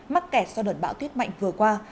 mắc kẹt do đợt bão tuyết mạnh vừa qua